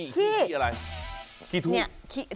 คี่วิวอะไรคี่ทุกข์